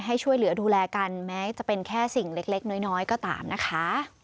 ให้ช่วยเหลือดูแลกันแม้จะเป็นแค่สิ่งเล็กน้อยก็ตามนะคะ